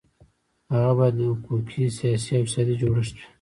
هغه باید حقوقي، سیاسي او اقتصادي جوړښت وي.